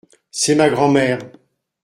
C’est ma grand-mère.